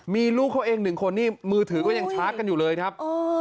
มีลูกเขาเองหนึ่งคนนี่มือถือก็ยังชาร์จกันอยู่เลยครับ